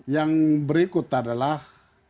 yang berikut adalah